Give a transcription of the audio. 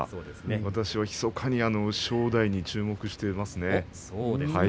私はひそかに正代に注目をしていますね。